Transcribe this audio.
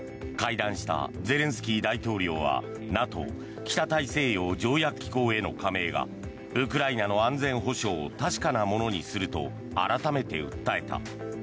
会談したゼレンスキー大統領はＮＡＴＯ・北大西洋条約機構への加盟がウクライナの安全保障を確かなものにすると改めて訴えた。